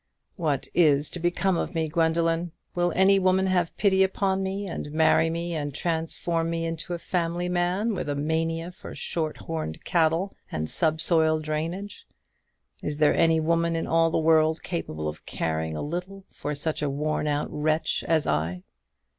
What is to become of me, Gwendoline? Will any woman have pity upon me and marry me, and transform me into a family man, with a mania for short horned cattle and subsoil drainage? Is there any woman in all the world capable of caring a little for such a worn out wretch as I?"